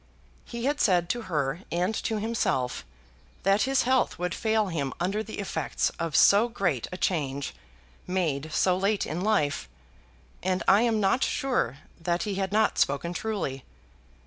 He had said to her and to himself that his health would fail him under the effects of so great a change made so late in life, and I am not sure that he had not spoken truly.